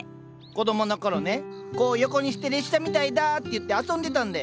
子供の頃ねこう横にして列車みたいだって言って遊んでたんだよ。